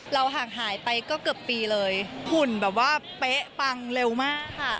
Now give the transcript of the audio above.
ห่างหายไปก็เกือบปีเลยหุ่นแบบว่าเป๊ะปังเร็วมากค่ะ